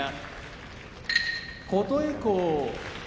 琴恵光